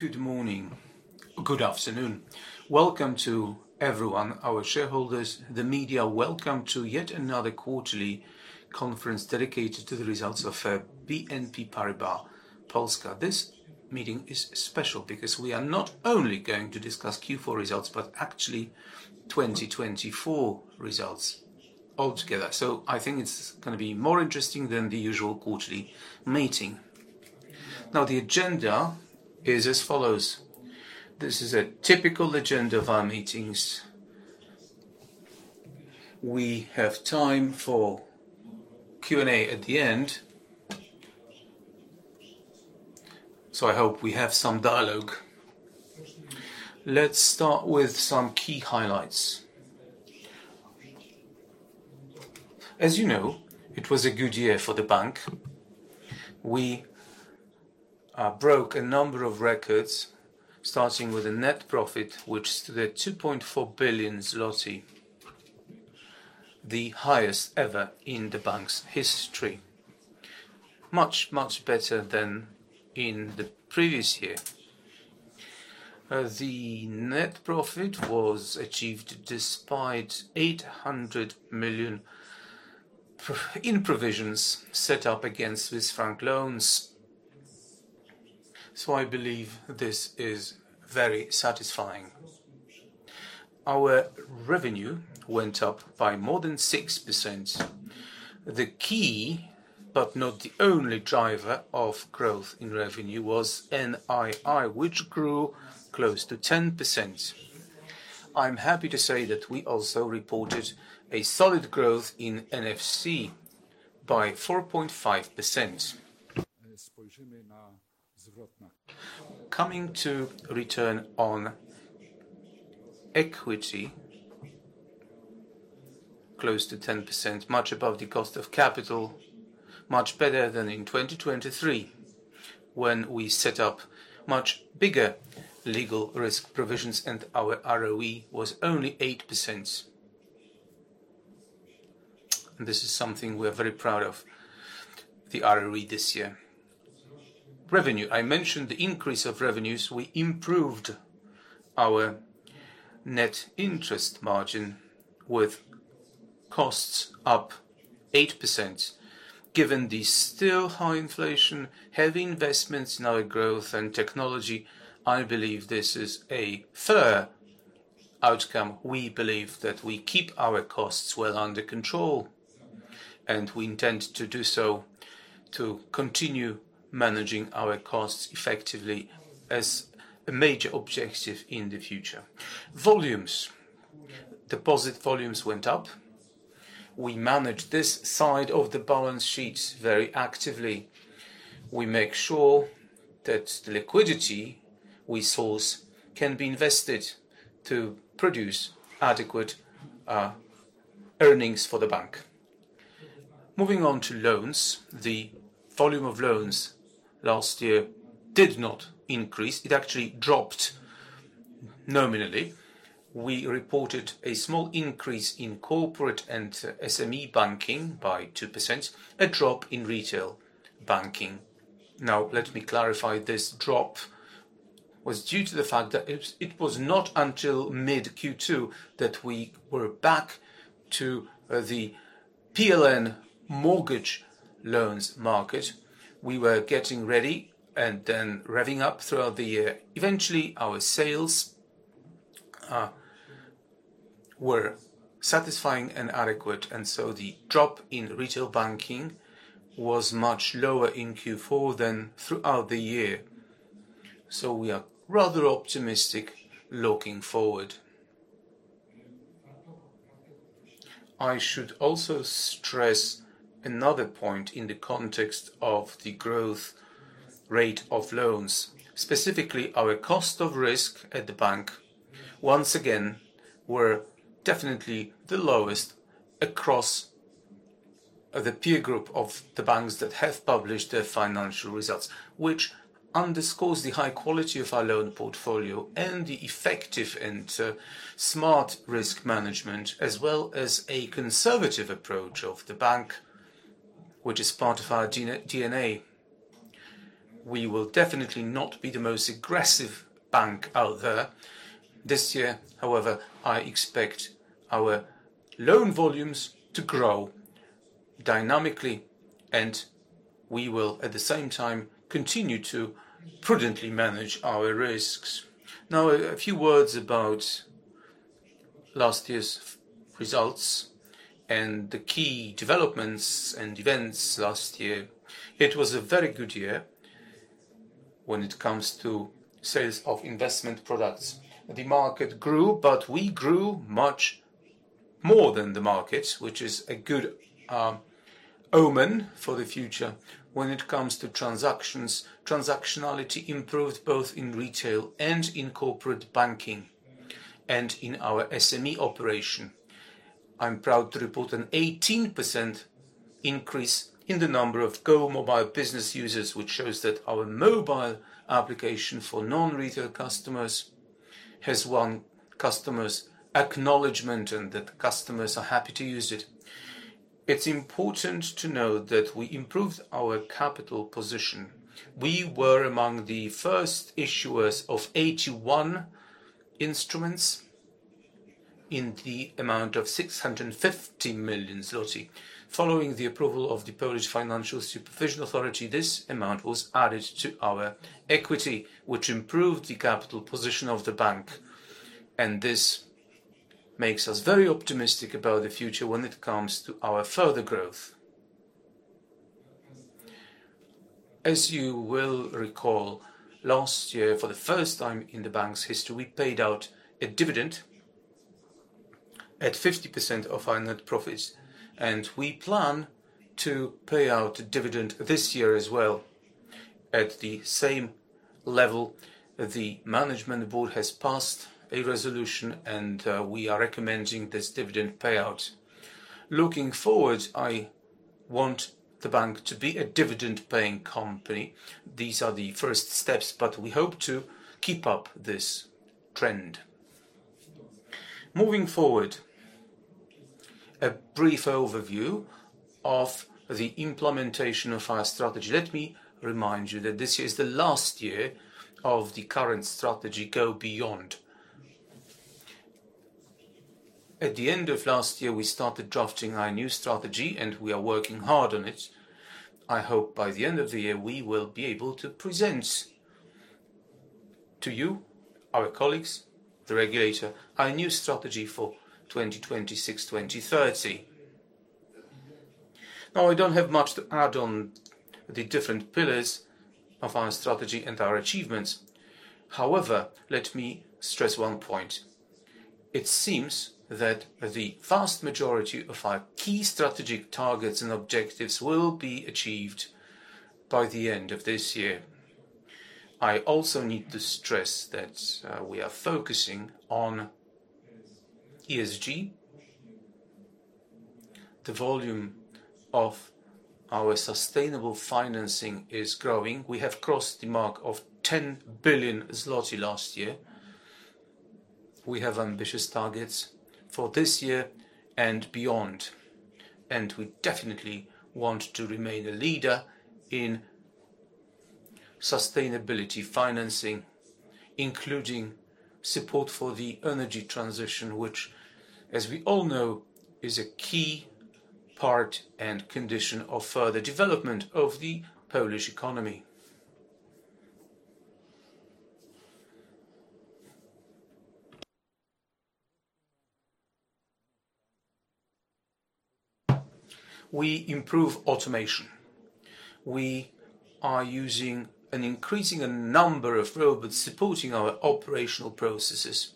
Good morning. Good afternoon. Welcome to everyone, our shareholders, the media. Welcome to yet another quarterly conference dedicated to the results of BNP Paribas Polska. This meeting is special because we are not only going to discuss Q4 results but actually 2024 results altogether. I think it's going to be more interesting than the usual quarterly meeting. The agenda is as follows. This is a typical agenda of our meetings. We have time for Q&A at the end, so I hope we have some dialogue. Let's start with some key highlights. As you know, it was a good year for the bank. We broke a number of records, starting with a net profit which stood at 2.4 billion zloty, the highest ever in the bank's history. Much, much better than in the previous year. The net profit was achieved despite $800 million in provisions set up against Swiss franc loans. I believe this is very satisfying. Our revenue went up by more than 6%. The key, but not the only driver of growth in revenue was NII, which grew close to 10%. I'm happy to say that we also reported solid growth in NFC by 4.5%. Coming to return on equity, close to 10%, much above the cost of capital, much better than in 2023 when we set up much bigger legal risk provisions and our ROE was only 8%. This is something we are very proud of, the ROE this year. Revenue. I mentioned the increase of revenues. We improved our net interest margin with costs up 8%. Given the still high inflation, heavy investments, now a growth and technology, I believe this is a fair outcome. We believe that we keep our costs well under control, and we intend to do so to continue managing our costs effectively as a major objective in the future. Volumes. Deposit volumes went up. We manage this side of the balance sheets very actively. We make sure that the liquidity we source can be invested to produce adequate earnings for the bank. Moving on to loans, the volume of loans last year did not increase. It actually dropped nominally. We reported a small increase in corporate and SME banking by 2%, a drop in retail banking. Now, let me clarify. This drop was due to the fact that it was not until mid-Q2 that we were back to the PLN mortgage loans market. We were getting ready and then revving up throughout the year. Eventually, our sales were satisfying and adequate, and so the drop in retail banking was much lower in Q4 than throughout the year. So we are rather optimistic looking forward. I should also stress another point in the context of the growth rate of loans, specifically our cost of risk at the bank. Once again, we're definitely the lowest across the peer group of the banks that have published their financial results, which underscores the high quality of our loan portfolio and the effective and smart risk management, as well as a conservative approach of the bank, which is part of our DNA. We will definitely not be the most aggressive bank out there. This year, however, I expect our loan volumes to grow dynamically, and we will, at the same time, continue to prudently manage our risks. Now, a few words about last year's results and the key developments and events last year. It was a very good year when it comes to sales of investment products. The market grew, but we grew much more than the market, which is a good omen for the future when it comes to transactions. Transactionality improved both in retail and in corporate banking and in our SME operation. I'm proud to report an 18% increase in the number of GOmobile business users, which shows that our mobile application for non-retail customers has won customers' acknowledgment and that customers are happy to use it. It's important to note that we improved our capital position. We were among the first issuers of AT1 instruments in the amount of 650 million zloty. Following the approval of the Polish Financial Supervision Authority, this amount was added to our equity, which improved the capital position of the bank. This makes us very optimistic about the future when it comes to our further growth. As you will recall, last year, for the first time in the bank's history, we paid out a dividend at 50% of our net profits, and we plan to pay out a dividend this year as well at the same level. The management board has passed a resolution, and we are recommending this dividend payout. Looking forward, I want the bank to be a dividend-paying company. These are the first steps, but we hope to keep up this trend. Moving forward, a brief overview of the implementation of our strategy. Let me remind you that this year is the last year of the current strategy, GObeyond. At the end of last year, we started drafting our new strategy, and we are working hard on it. I hope by the end of the year, we will be able to present to you, our colleagues, the regulator, our new strategy for 2026-2030. Now, I don't have much to add on the different pillars of our strategy and our achievements. However, let me stress one point. It seems that the vast majority of our key strategic targets and objectives will be achieved by the end of this year. I also need to stress that we are focusing on ESG. The volume of our sustainable financing is growing. We have crossed the mark of 10 billion zloty last year. We have ambitious targets for this year and beyond, and we definitely want to remain a leader in sustainability financing, including support for the energy transition, which, as we all know, is a key part and condition of further development of the Polish economy. We improve automation. We are using an increasing number of robots supporting our operational processes.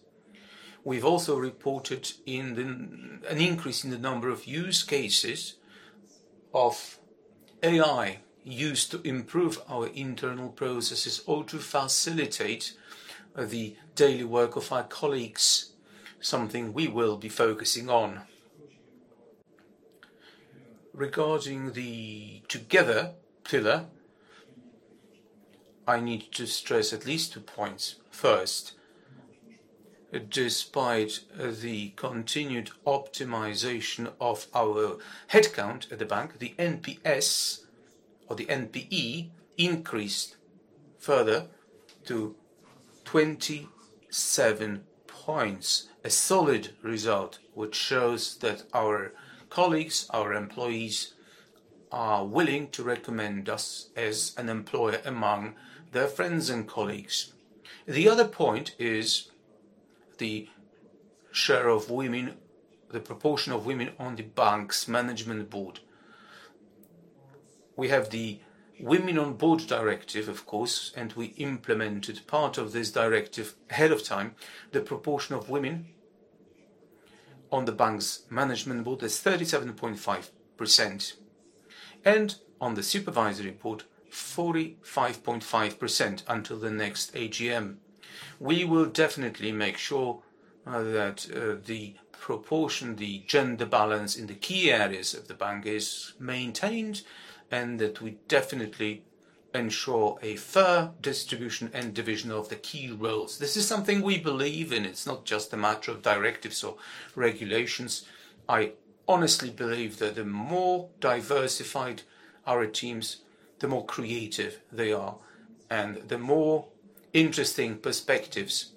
We've also reported an increase in the number of use cases of AI used to improve our internal processes or to facilitate the daily work of our colleagues, something we will be focusing on. Regarding the together pillar, I need to stress at least two points. First, despite the continued optimization of our headcount at the bank, the NPS or the eNPS increased further to 27 points, a solid result which shows that our colleagues, our employees are willing to recommend us as an employer among their friends and colleagues. The other point is the share of women, the proportion of women on the bank's management board. We have the Women on Board Directive, of course, and we implemented part of this directive ahead of time. The proportion of women on the bank's management board is 37.5%, and on the supervisory board, 45.5% until the next AGM. We will definitely make sure that the proportion, the gender balance in the key areas of the bank is maintained and that we definitely ensure a fair distribution and division of the key roles. This is something we believe in. It's not just a matter of directives or regulations. I honestly believe that the more diversified our teams, the more creative they are, and the more interesting perspectives,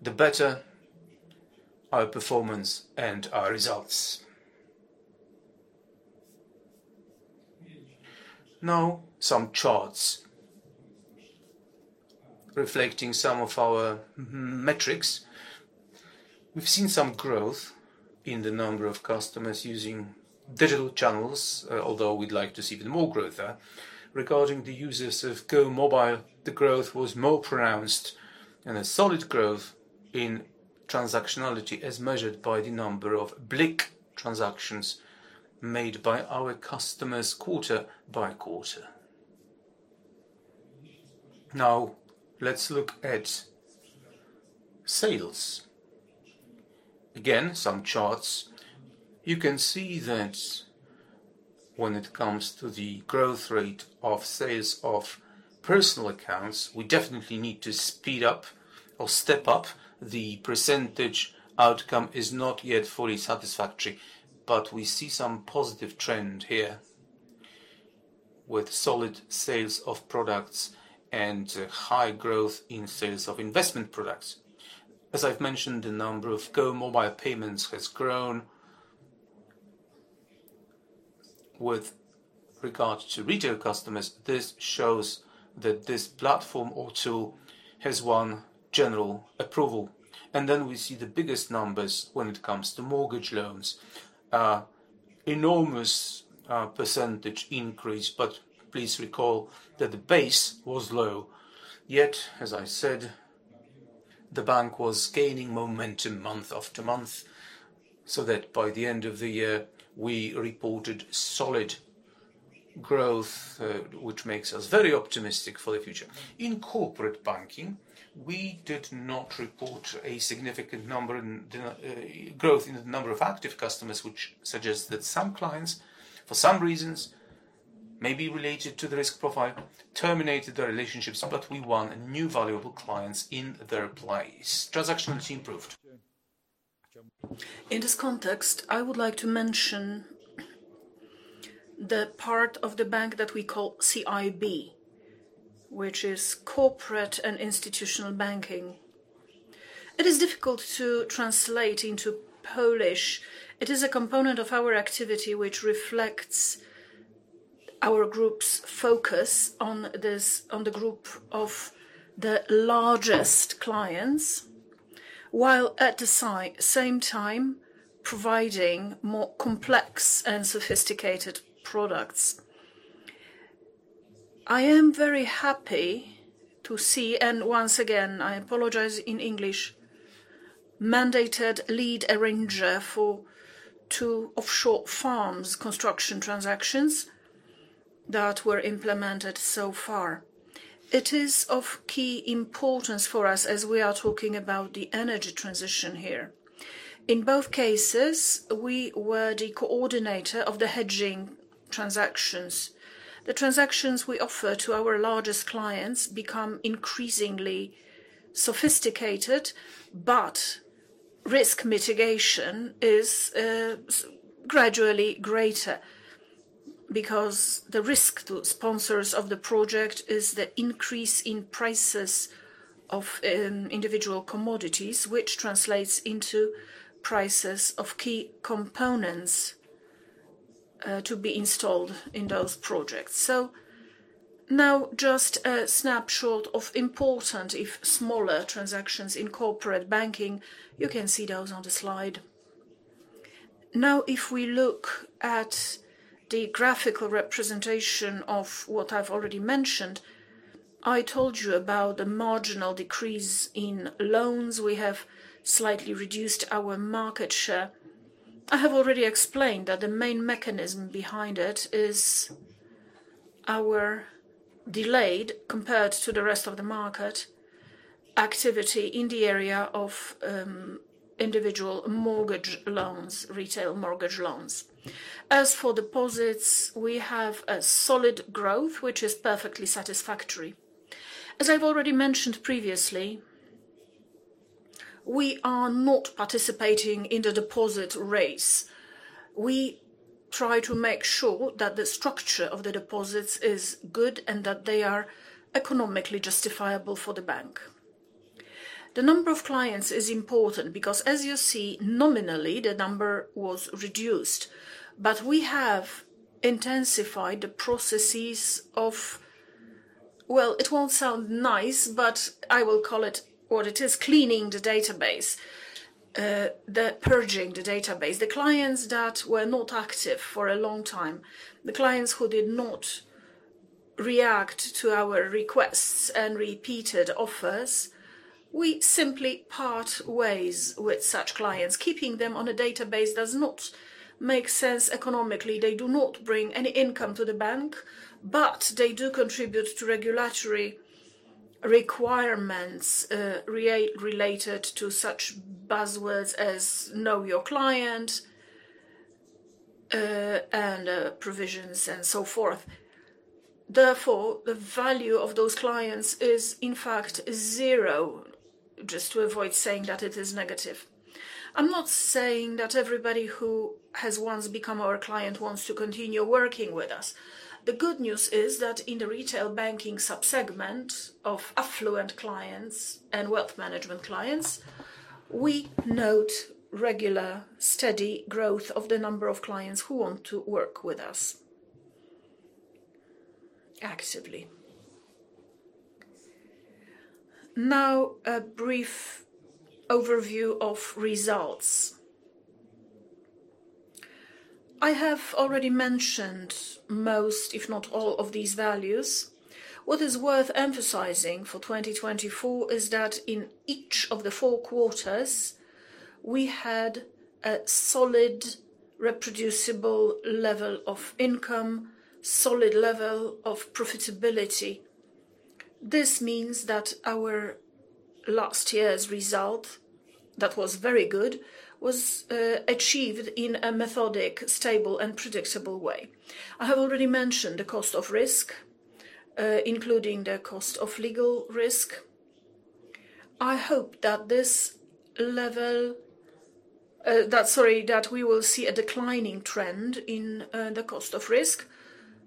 the better our performance and our results. Some charts reflecting some of our metrics. We've seen some growth in the number of customers using digital channels, although we'd like to see even more growth there. Regarding the users of GOmobile, the growth was more pronounced and a solid growth in transactionality as measured by the number of BLIK transactions made by our customers quarter by quarter. Now, let's look at sales. Again, some charts. You can see that when it comes to the growth rate of sales of personal accounts, we definitely need to speed up or step up the % outcome. It is not yet fully satisfactory, but we see some positive trend here with solid sales of products and high growth in sales of investment products. As I've mentioned, the number of GOmobile payments has grown. With regard to retail customers, this shows that this platform or tool has won general approval. We see the biggest numbers when it comes to mortgage loans. Enormous % increase, but please recall that the base was low. Yet, as I said, the bank was gaining momentum month after month so that by the end of the year, we reported solid growth, which makes us very optimistic for the future. In corporate banking, we did not report a significant number in growth in the number of active customers, which suggests that some clients, for some reasons, may be related to the risk profile, terminated their relationships, but we won new valuable clients in their place. Transactions improved. In this context, I would like to mention the part of the bank that we call CIB, which is Corporate and Institutional Banking. It is difficult to translate into Polish. It is a component of our activity which reflects our group's focus on the group of the largest clients, while at the same time providing more complex and sophisticated products. I am very happy to see, and once again, I apologize in English, mandated lead arranger for two offshore farms construction transactions that were implemented so far. It is of key importance for us as we are talking about the energy transition here. In both cases, we were the coordinator of the hedging transactions. The transactions we offer to our largest clients become increasingly sophisticated, but risk mitigation is gradually greater because the risk to sponsors of the project is the increase in prices of individual commodities, which translates into prices of key components to be installed in those projects. So now, just a snapshot of important, if smaller, transactions in corporate banking. You can see those on the slide. Now, if we look at the graphical representation of what I've already mentioned, I told you about the marginal decrease in loans. We have slightly reduced our market share. I have already explained that the main mechanism behind it is our delayed compared to the rest of the market activity in the area of individual mortgage loans, retail mortgage loans. As for deposits, we have a solid growth, which is perfectly satisfactory. As I've already mentioned previously, we are not participating in the deposit race. We try to make sure that the structure of the deposits is good and that they are economically justifiable for the bank. The number of clients is important because, as you see, nominally, the number was reduced, but we have intensified the processes of cleaning the database, the purging the database, the clients that were not active for a long time, the clients who did not react to our requests and repeated offers. We simply part ways with such clients. Keeping them on a database does not make sense economically. They do not bring any income to the bank, but they do contribute to regulatory requirements related to such buzzwords as "know your client" and provisions and so forth. Therefore, the value of those clients is, in fact, zero, just to avoid saying that it is negative. I'm not saying that everybody who has once become our client wants to continue working with us. The good news is that in the retail banking subsegment of affluent clients and wealth management clients, we note regular, steady growth of the number of clients who want to work with us actively. Now, a brief overview of results. I have already mentioned most, if not all, of these values. What is worth emphasizing for 2024 is that in each of the four quarters, we had a solid, reproducible level of income, solid level of profitability. This means that our last year's result that was very good was achieved in a methodic, stable, and predictable way. I have already mentioned the cost of risk, including the cost of legal risk. I hope that at this level we will see a declining trend in the cost of risk.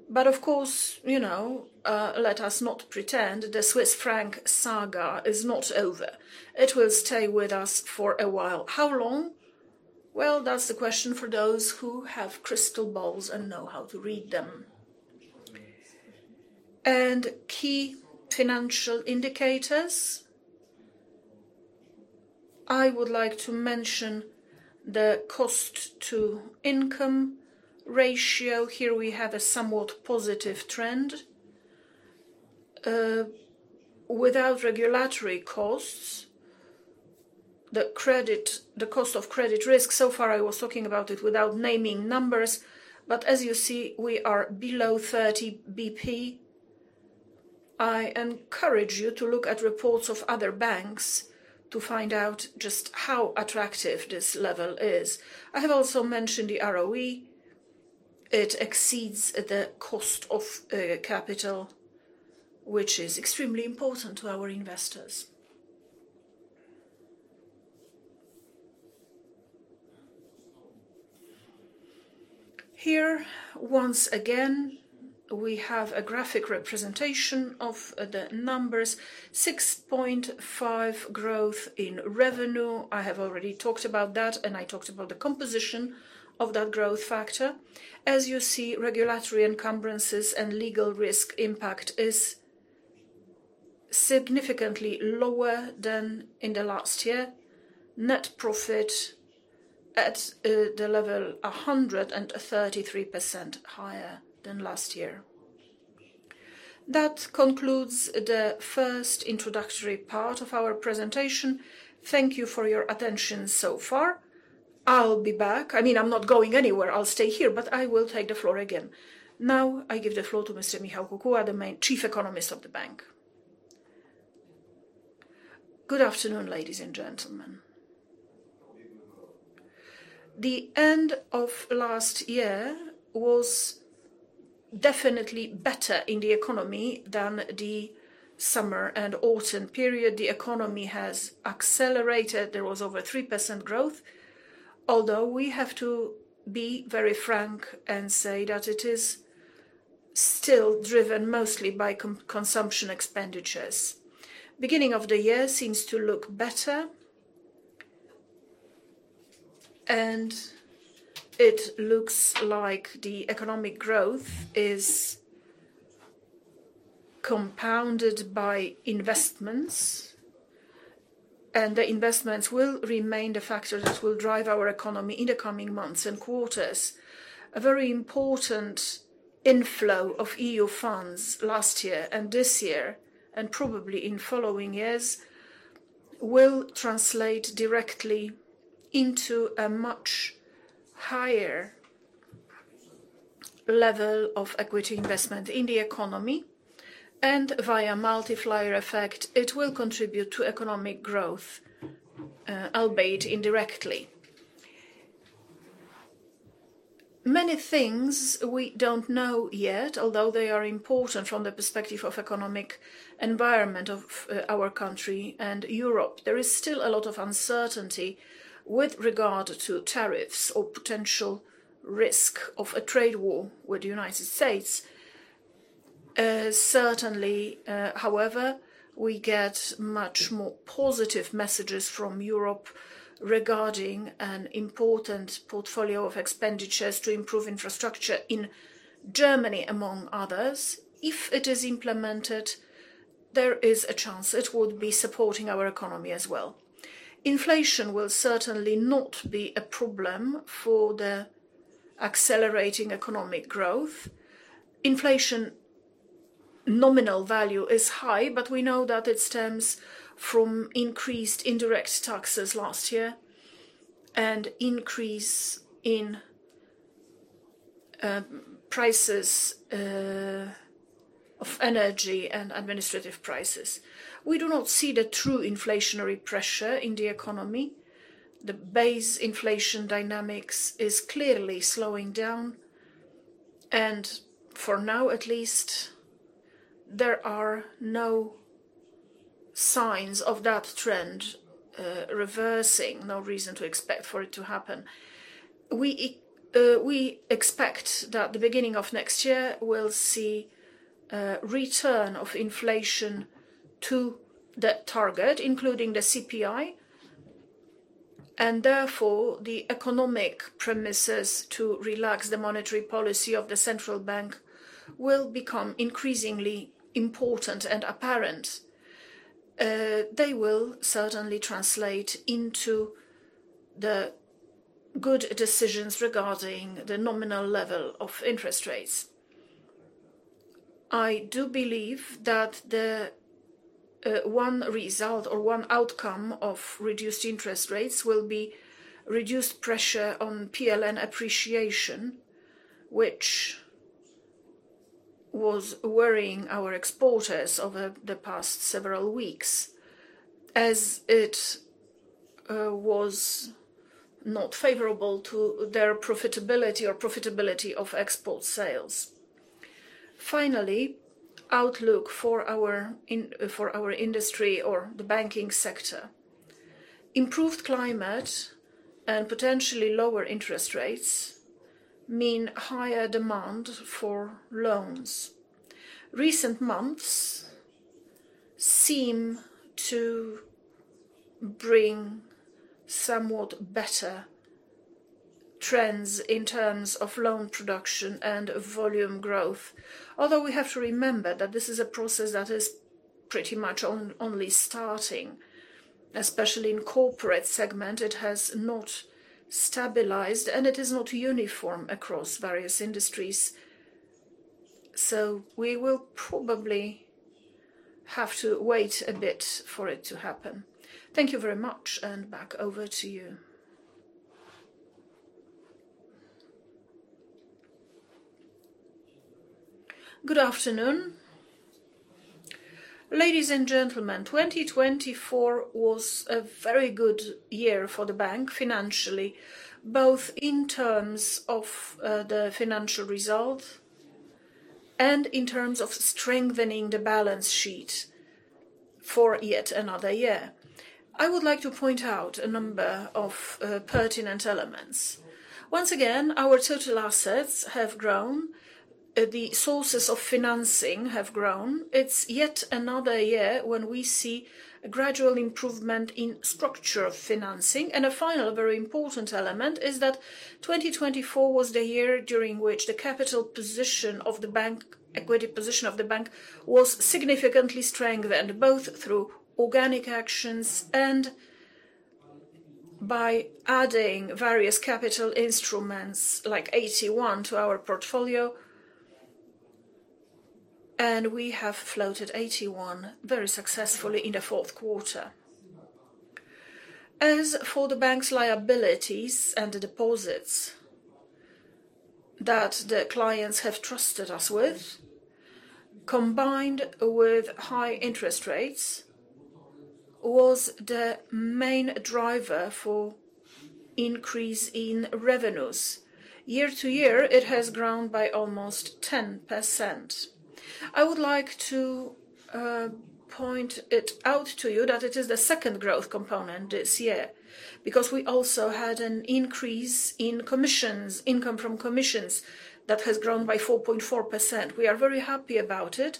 But of course, you know, let us not pretend the Swiss franc saga is not over. It will stay with us for a while. How long? Well, that's the question for those who have crystal balls and know how to read them. Key financial indicators. I would like to mention the cost-to-income ratio. Here we have a somewhat positive trend without regulatory costs. The cost of credit risk, so far I was talking about it without naming numbers, but as you see, we are below 30 basis points. I encourage you to look at reports of other banks to find out just how attractive this level is. I have also mentioned the ROE. It exceeds the cost of capital, which is extremely important to our investors. Here, once again, we have a graphic representation of the numbers: 6.5% growth in revenue. I have already talked about that, and I talked about the composition of that growth factor. As you see, regulatory encumbrances and legal risk impact is significantly lower than in the last year. Net profit at the level 133% higher than last year. That concludes the first introductory part of our presentation. Thank you for your attention so far. I'll be back. I mean, I'm not going anywhere. I'll stay here, but I will take the floor again. Now, I give the floor to Isabelle Mateos y Lago, the Group Chief Economist of the bank. Good afternoon, ladies and gentlemen. The end of last year was definitely better in the economy than the summer and autumn period. The economy has accelerated. There was over 3% growth, although we have to be very frank and say that it is still driven mostly by consumption expenditures. Beginning of the year seems to look better, and it looks like the economic growth is compounded by investments, and the investments will remain the factors that will drive our economy in the coming months and quarters. A very important inflow of EU funds last year and this year and probably in following years will translate directly into a much higher level of equity investment in the economy, and via multiplier effect, it will contribute to economic growth, albeit indirectly. Many things we don't know yet, although they are important from the perspective of the economic environment of our country and Europe. There is still a lot of uncertainty with regard to tariffs or potential risk of a trade war with the United States. Certainly, however, we get much more positive messages from Europe regarding an important portfolio of expenditures to improve infrastructure in Germany, among others. If it is implemented, there is a chance it would be supporting our economy as well. Inflation will certainly not be a problem for the accelerating economic growth. Inflation nominal value is high, but we know that it stems from increased indirect taxes last year and increase in prices of energy and administrative prices. We do not see the true inflationary pressure in the economy. The base inflation dynamics is clearly slowing down, and for now at least, there are no signs of that trend reversing, no reason to expect for it to happen. We expect that the beginning of next year we'll see a return of inflation to that target, including the CPI, and therefore the economic premises to relax the monetary policy of the central bank will become increasingly important and apparent. They will certainly translate into the good decisions regarding the nominal level of interest rates. I do believe that one result or one outcome of reduced interest rates will be reduced pressure on PLN appreciation, which was worrying our exporters over the past several weeks as it was not favorable to their profitability or profitability of export sales. Finally, outlook for our industry or the banking sector: improved climate and potentially lower interest rates mean higher demand for loans. Recent months seem to bring somewhat better trends in terms of loan production and volume growth, although we have to remember that this is a process that is pretty much only starting, especially in the corporate segment. It has not stabilized, and it is not uniform across various industries. So we will probably have to wait a bit for it to happen. Thank you very much, and back over to you. Good afternoon. Ladies and gentlemen, 2024 was a very good year for the bank financially, both in terms of the financial result and in terms of strengthening the balance sheet for yet another year. I would like to point out a number of pertinent elements. Once again, our total assets have grown. The sources of financing have grown. It's yet another year when we see a gradual improvement in the structure of financing. A final, very important element is that 2024 was the year during which the capital position of the bank, equity position of the bank, was significantly strengthened, both through organic actions and by adding various capital instruments like AT1 to our portfolio. We have floated AT1 very successfully in the fourth quarter. As for the bank's liabilities and the deposits that the clients have trusted us with, combined with high interest rates, was the main driver for increase in revenues. Year to year, it has grown by almost 10%. I would like to point it out to you that it is the second growth component this year because we also had an increase in commissions, income from commissions that has grown by 4.4%. We are very happy about it.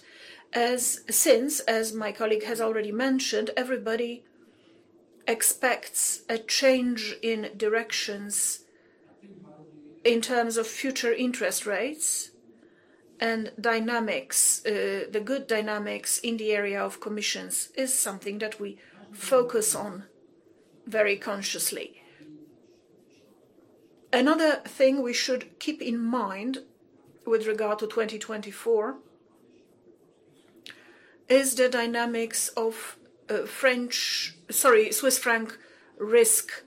Since, as my colleague has already mentioned, everybody expects a change in directions in terms of future interest rates and dynamics. The good dynamics in the area of commissions is something that we focus on very consciously. Another thing we should keep in mind with regard to 2024 is the dynamics of Swiss franc risk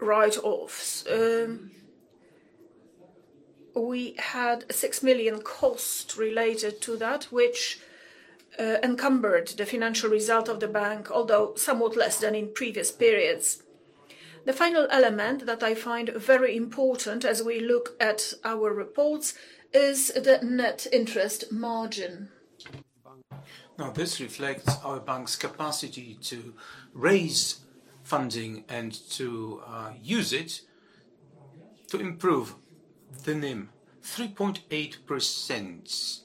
write-offs. We had a $6 million cost related to that, which encumbered the financial result of the bank, although somewhat less than in previous periods. The final element that I find very important as we look at our reports is the net interest margin. This reflects our bank's capacity to raise funding and to use it to improve the NIM. 3.8%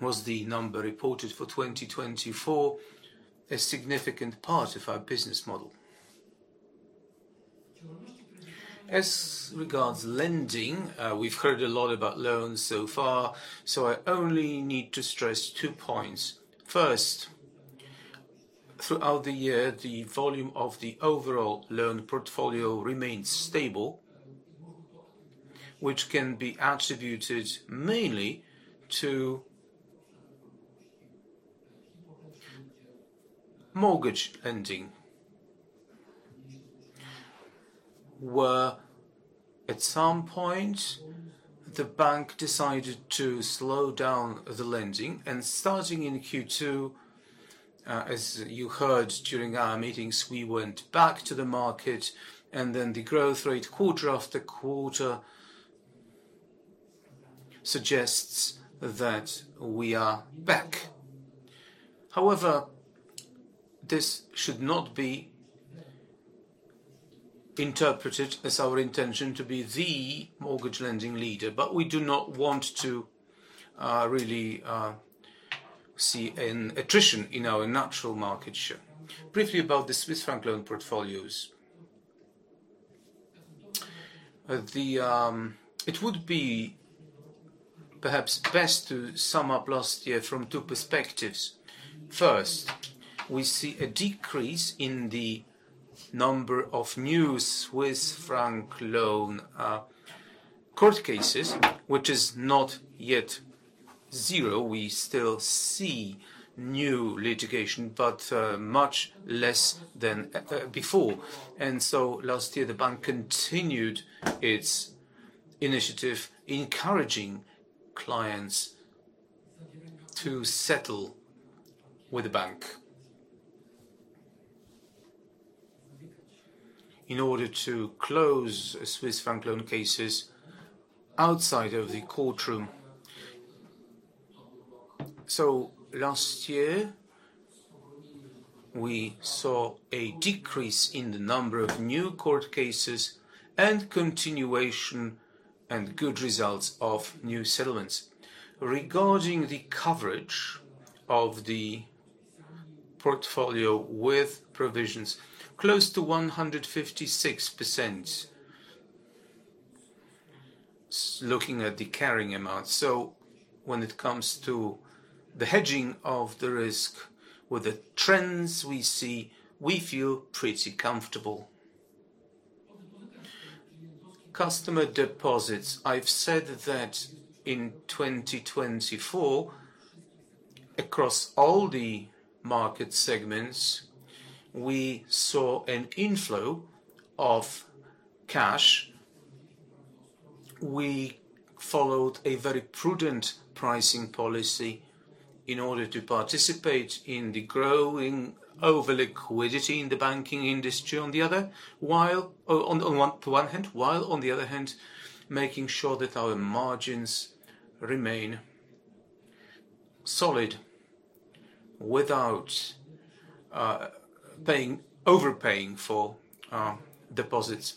was the number reported for 2024, a significant part of our business model. As regards lending, we've heard a lot about loans so far, so I only need to stress two points. First, throughout the year, the volume of the overall loan portfolio remained stable, which can be attributed mainly to mortgage lending, where at some point the bank decided to slow down the lending. Starting in Q2, as you heard during our meetings, we went back to the market, and then the growth rate, quarter after quarter, suggests that we are back. However, this should not be interpreted as our intention to be the mortgage lending leader, but we do not want to really see an attrition in our natural market share. Briefly about the Swiss franc loan portfolios, it would be perhaps best to sum up last year from two perspectives. First, we see a decrease in the number of new Swiss franc loan court cases, which is not yet zero. We still see new litigation, but much less than before. Last year, the bank continued its initiative, encouraging clients to settle with the bank in order to close Swiss franc loan cases outside of the courtroom. Last year, we saw a decrease in the number of new court cases and continuation and good results of new settlements. Regarding the coverage of the portfolio with provisions, close to 156% looking at the carrying amount. When it comes to the hedging of the risk with the trends we see, we feel pretty comfortable. Customer deposits, I've said that in 2024, across all the market segments, we saw an inflow of cash. We followed a very prudent pricing policy in order to participate in the growing overliquidity in the banking industry, while on the other hand making sure that our margins remain solid without overpaying for deposits.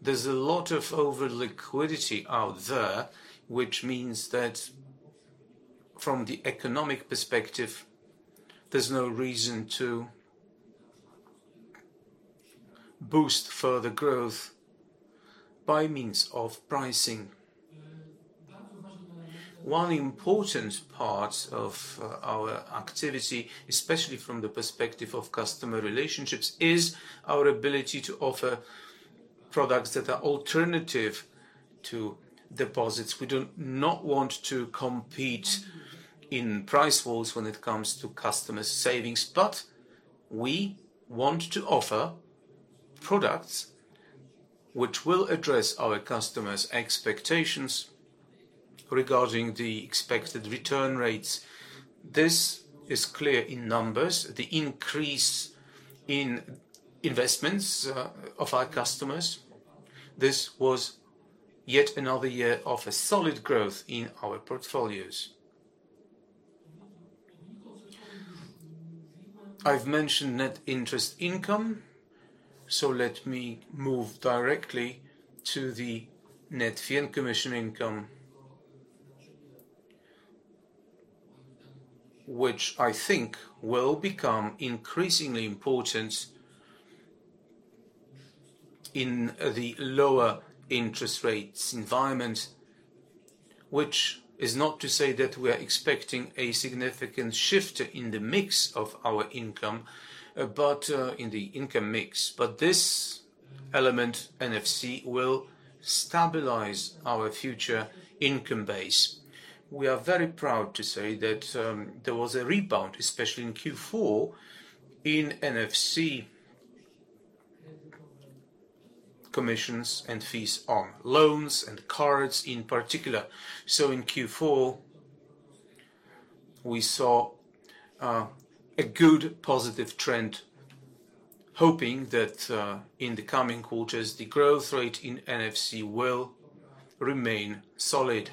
There's a lot of overliquidity out there, which means that from the economic perspective, there's no reason to boost further growth by means of pricing. One important part of our activity, especially from the perspective of customer relationships, is our ability to offer products that are alternative to deposits. We do not want to compete in price wars when it comes to customer savings, but we want to offer products which will address our customers' expectations regarding the expected return rates. This is clear in numbers, the increase in investments of our customers. This was yet another year of solid growth in our portfolios. I've mentioned net interest income, so let me move directly to the net fee and commission income, which I think will become increasingly important in the lower interest rates environment, which is not to say that we are expecting a significant shift in the mix of our income, but in the income mix. But this element, NFC, will stabilize our future income base. We are very proud to say that there was a rebound, especially in Q4, in NFC commissions and fees on loans and cards in particular. So in Q4, we saw a good positive trend, hoping that in the coming quarters, the growth rate in NFC will remain solid,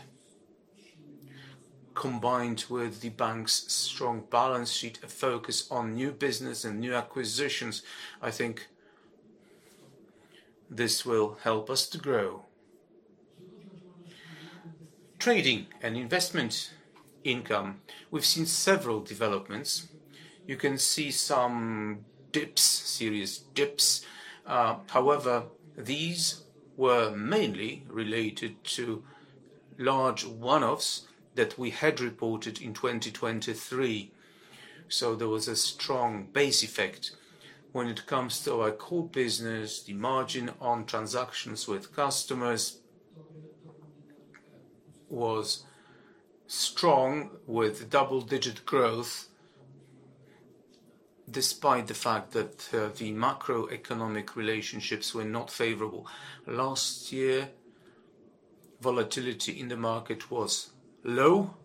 combined with the bank's strong balance sheet, a focus on new business and new acquisitions. I think this will help us to grow. Trading and investment income, we've seen several developments. You can see some dips, serious dips. However, these were mainly related to large one-offs that we had reported in 2023. So there was a strong base effect when it comes to our core business. The margin on transactions with customers was strong with double-digit growth, despite the fact that the macroeconomic relationships were not favorable. Last year, volatility in the market was low,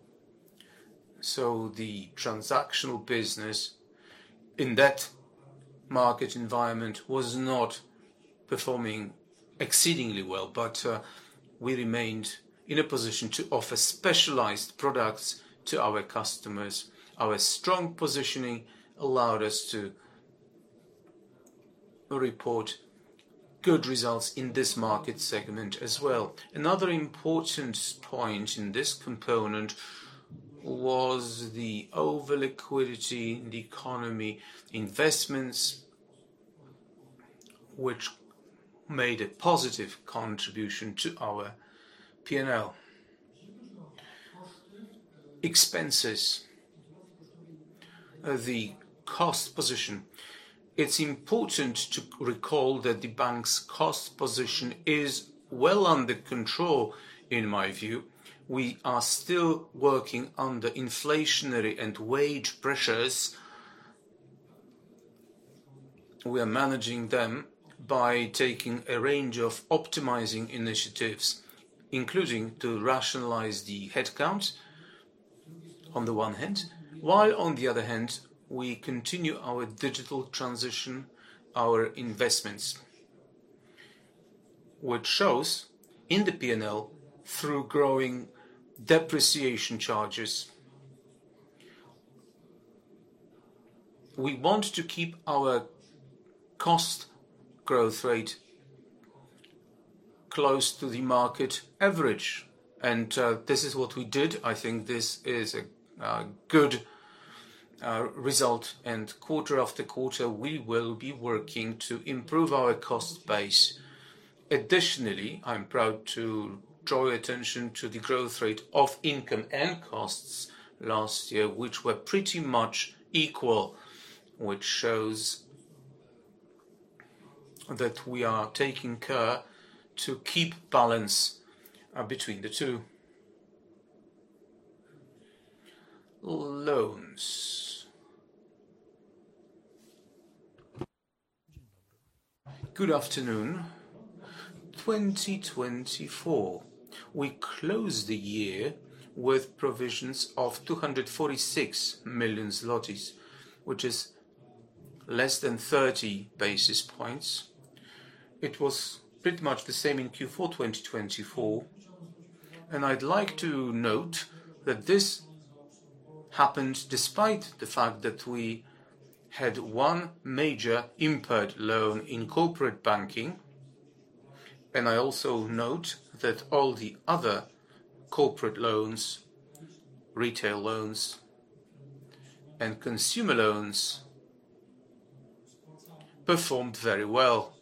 so the transactional business in that market environment was not performing exceedingly well, but we remained in a position to offer specialized products to our customers. Our strong positioning allowed us to report good results in this market segment as well. Another important point in this component was the overliquidity in the economy investments, which made a positive contribution to our P&L. Expenses, the cost position. It's important to recall that the bank's cost position is well under control, in my view. We are still working under inflationary and wage pressures. We are managing them by taking a range of optimizing initiatives, including to rationalize the headcount on the one hand, while on the other hand, we continue our digital transition, our investments, which shows in the P&L through growing depreciation charges. We want to keep our cost growth rate close to the market average, and this is what we did. I think this is a good result, and quarter after quarter, we will be working to improve our cost base. Additionally, I'm proud to draw your attention to the growth rate of income and costs last year, which were pretty much equal, which shows that we are taking care to keep balance between the two. Good afternoon. In 2024, we closed the year with provisions of 246 million zlotys, which is less than 30 basis points. It was pretty much the same in Q4 2024, and I'd like to note that this happened despite the fact that we had one major impaired loan in corporate banking. I also note that all the other corporate loans, retail loans, and consumer loans performed very well,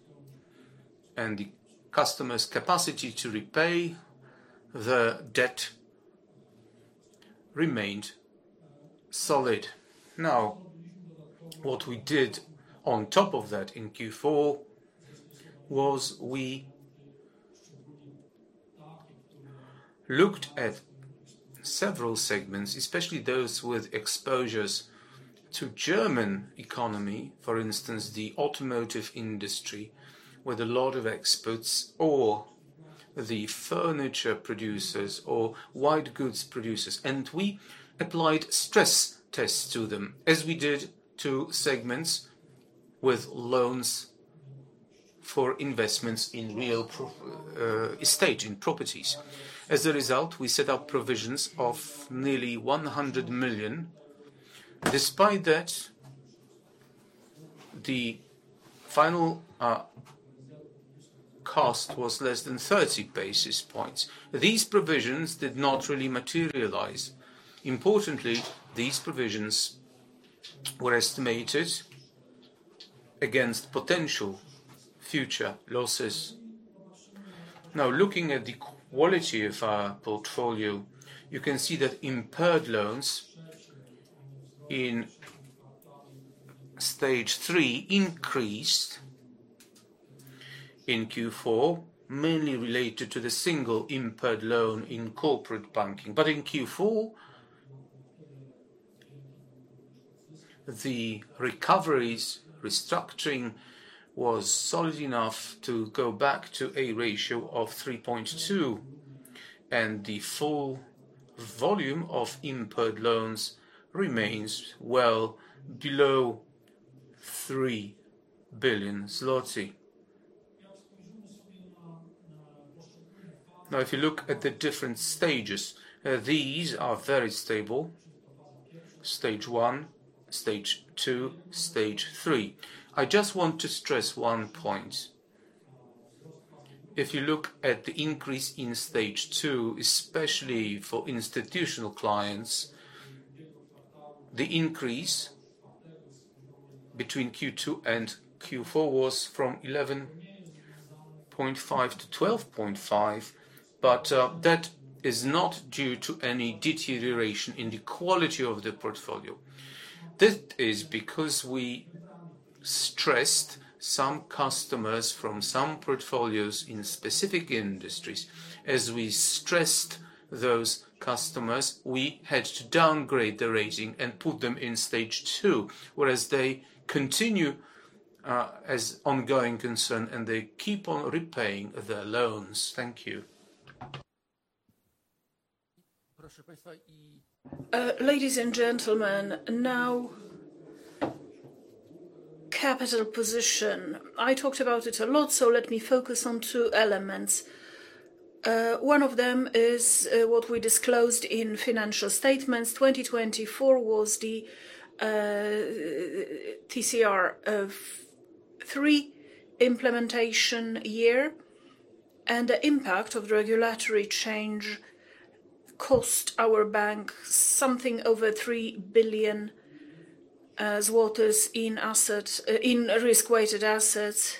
and the customer's capacity to repay the debt remained solid. What we did on top of that in Q4 was we looked at several segments, especially those with exposures to the German economy, for instance, the automotive industry with a lot of exports, or the furniture producers, or white goods producers, and we applied stress tests to them, as we did to segments with loans for investments in real estate, in properties. As a result, we set up provisions of nearly $100 million. Despite that, the final cost was less than 30 basis points. These provisions did not really materialize. Importantly, these provisions were estimated against potential future losses. Now, looking at the quality of our portfolio, you can see that impaired loans in stage three increased in Q4, mainly related to the single impaired loan in corporate banking. But in Q4, the recoveries restructuring was solid enough to go back to a ratio of 3.2%, and the full volume of impaired loans remains well below 3 billion zloty. Now, if you look at the different stages, these are very stable: stage one, stage two, stage three. I just want to stress one point. If you look at the increase in stage two, especially for institutional clients, the increase between Q2 and Q4 was from 11.5% to 12.5%, but that is not due to any deterioration in the quality of the portfolio. This is because we stressed some customers from some portfolios in specific industries. As we stressed those customers, we had to downgrade the rating and put them in stage two, whereas they continue as ongoing concern, and they keep on repaying their loans. Thank you. Ladies and gentlemen, now capital position. I talked about it a lot, so let me focus on two elements. One of them is what we disclosed in financial statements. 2024 was the CRR3 implementation years, and the impact of regulatory change cost our bank something over 3 billion zlotys in risk-weighted assets,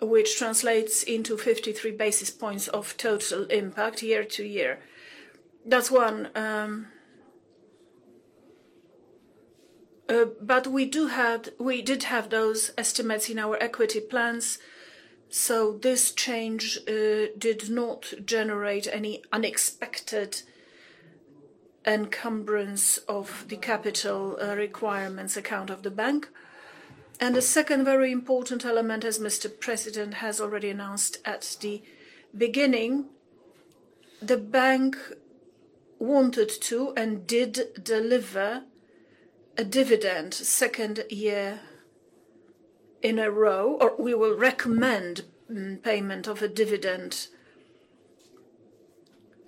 which translates into 53 basis points of total impact year to year. That's one. We did have those estimates in our equity plans, so this change did not generate any unexpected encumbrance of the capital requirements account of the bank. The second very important element, as Mr. The President has already announced at the beginning, the bank wanted to and did deliver a dividend second year in a row, or we will recommend payment of a dividend.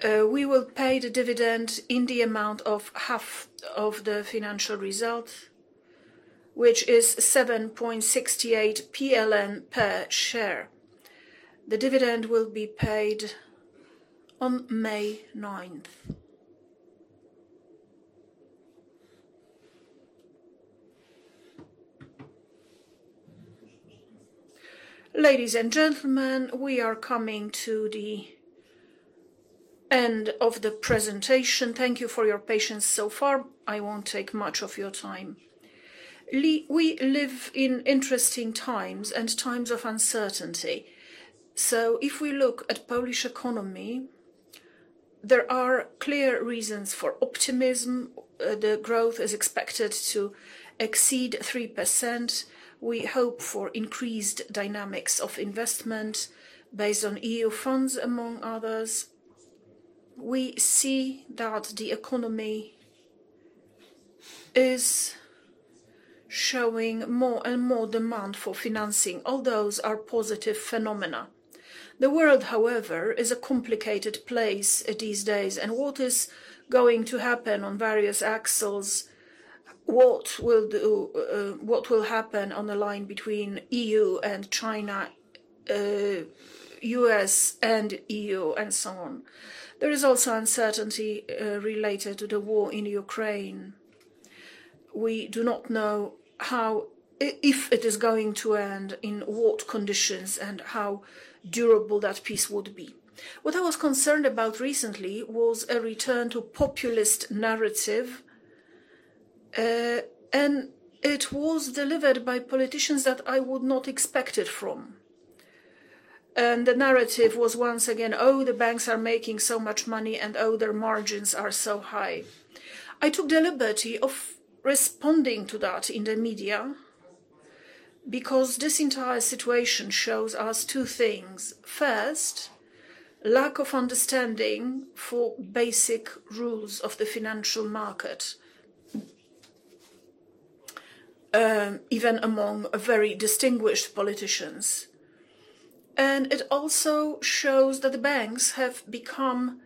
We will pay the dividend in the amount of half of the financial results, which is 7.68 PLN per share. The dividend will be paid on May 9th. Ladies and gentlemen, we are coming to the end of the presentation. Thank you for your patience so far. I won't take much of your time. We live in interesting times and times of uncertainty. If we look at Polish economy, there are clear reasons for optimism. The growth is expected to exceed 3%. We hope for increased dynamics of investment based on EU funds, among others. We see that the economy is showing more and more demand for financing. All those are positive phenomena. The world, however, is a complicated place these days, and what is going to happen on various axes? What will happen on the line between EU and China, U.S. and EU, and so on? There is also uncertainty related to the war in Ukraine. We do not know if it is going to end, in what conditions, and how durable that peace would be. What I was concerned about recently was a return to populist narrative, and it was delivered by politicians that I would not expect it from. The narrative was once again, "Oh, the banks are making so much money, and oh, their margins are so high." I took the liberty of responding to that in the media because this entire situation shows us two things. First, lack of understanding for basic rules of the financial market, even among very distinguished politicians. It also shows that the banks have become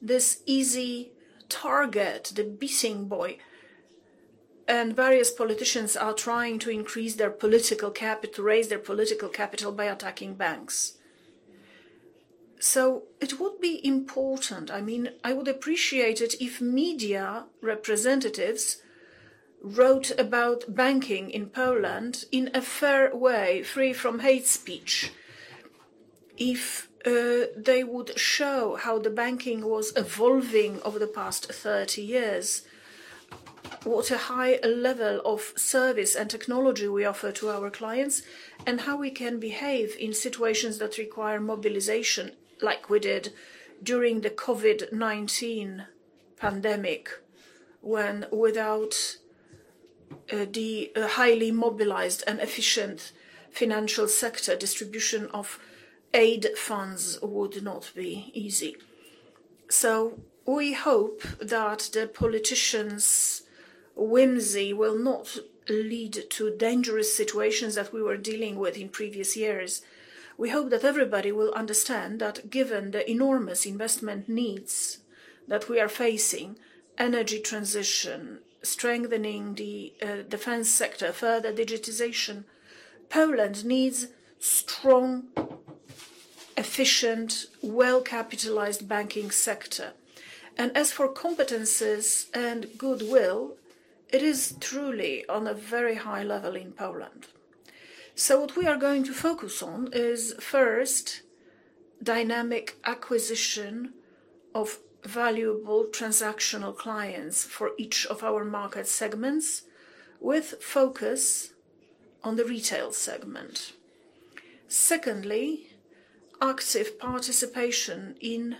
this easy target, the whipping boy, and various politicians are trying to increase their political capital, raise their political capital by attacking banks. So it would be important. I mean, I would appreciate it if media representatives wrote about banking in Poland in a fair way, free from hate speech. If they would show how the banking was evolving over the past 30 years, what a high level of service and technology we offer to our clients, and how we can behave in situations that require mobilization, like we did during the COVID-19 pandemic, when without the highly mobilized and efficient financial sector, distribution of aid funds would not be easy. We hope that the politicians' whimsy will not lead to dangerous situations that we were dealing with in previous years. We hope that everybody will understand that given the enormous investment needs that we are facing, energy transition, strengthening the defense sector, further digitization, Poland needs strong, efficient, well-capitalized banking sector. As for competencies and goodwill, it is truly on a very high level in Poland. What we are going to focus on is first dynamic acquisition of valuable transactional clients for each of our market segments, with focus on the retail segment. Secondly, active participation in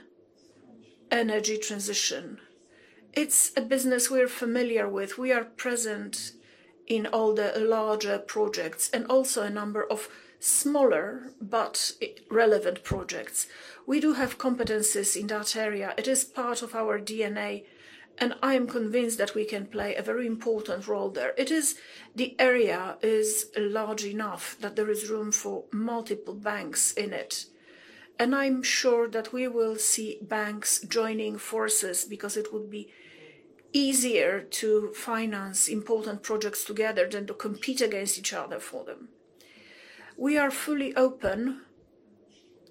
energy transition. It's a business we're familiar with. We are present in all the larger projects and also a number of smaller but relevant projects. We do have competencies in that area. It is part of our DNA, and I am convinced that we can play a very important role there. The area is large enough that there is room for multiple banks in it. I'm sure that we will see banks joining forces because it would be easier to finance important projects together than to compete against each other for them. We are fully open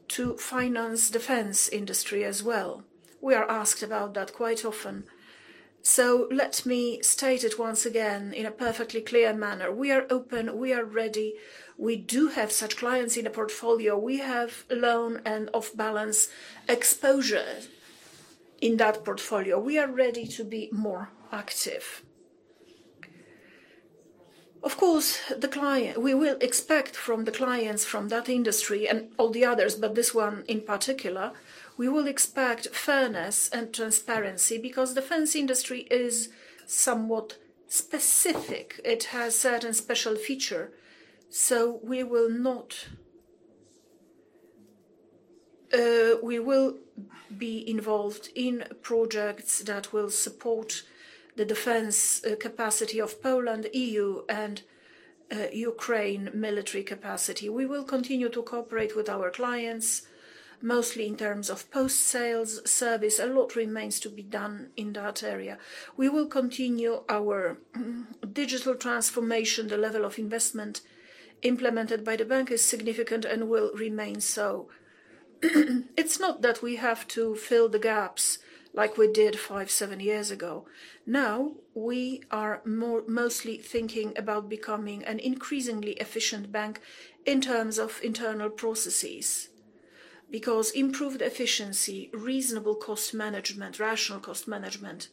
to finance defense industry as well. We are asked about that quite often. Let me state it once again in a perfectly clear manner. We are open. We are ready. We do have such clients in the portfolio. We have loan and off-balance exposure in that portfolio. We are ready to be more active. Of course, we will expect from the clients from that industry and all the others, but this one in particular, we will expect fairness and transparency because defense industry is somewhat specific. It has certain special features. We will not be involved in projects that will support the defense capacity of Poland, EU, and Ukraine military capacity. We will continue to cooperate with our clients, mostly in terms of post-sales service. A lot remains to be done in that area. We will continue our digital transformation. The level of investment implemented by the bank is significant and will remain so. It's not that we have to fill the gaps like we did five, seven years ago. Now, we are mostly thinking about becoming an increasingly efficient bank in terms of internal processes because improved efficiency, reasonable cost management, rational cost management